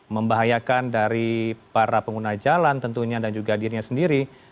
membahayakan dari para pengguna jalan tentunya dan juga dirinya sendiri